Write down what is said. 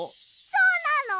そうなの！？